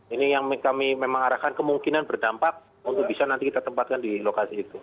ini yang kami memang arahkan kemungkinan berdampak untuk bisa nanti kita tempatkan di lokasi itu